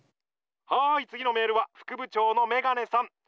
はい次のメールは副部長のメガネさん。